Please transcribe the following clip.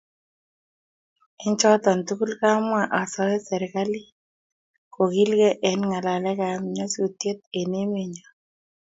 eng choto tugul kamwaa asae serikalit kogilgei eng ngalekab nyasusiet eng emenyo